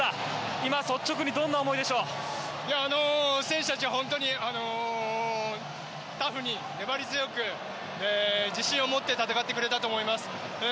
選手たちは本当にタフに粘り強く自信を持って戦ってくれたと思います。